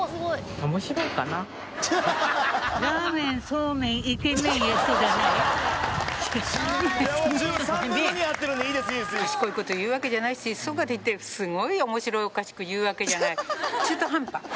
賢い事言うわけじゃないしそうかといってすごい面白おかしく言うわけじゃない。